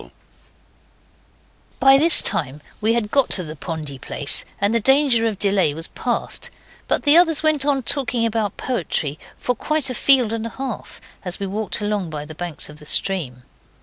By this time we had got by the pondy place and the danger of delay was past; but the others went on talking about poetry for quite a field and a half, as we walked along by the banks of the stream.